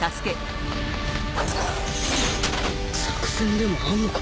作戦でもあんのか？